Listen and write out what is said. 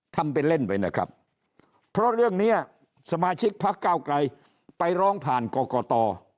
ทำเป็นเล่นไปนะครับเพราะเรื่องนี้สมาชิกพักเก้าไกลไปร้องผ่านกรกต